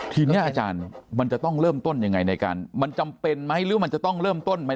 ทีนี้อาจารย์มันจะต้องเริ่มต้นยังไงในการมันจำเป็นไหมหรือมันจะต้องเริ่มต้นไหม